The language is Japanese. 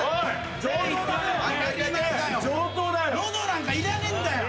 喉なんかいらねえんだよ！